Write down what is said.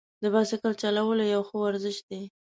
د بایسکل چلول یو ښه ورزش دی.